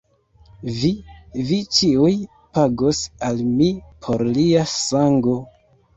Vi, vi ĉiuj pagos al mi por lia sango!